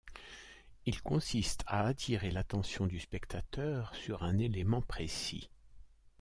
Il consiste à attirer l'attention du spectateur sur un élément précis.